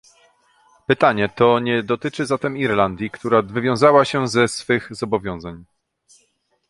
Pytanie to nie dotyczy zatem Irlandii, która wywiązała się ze swych zobowiązań